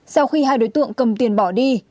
sau khi hai đối tượng cầm tiền bỏ đi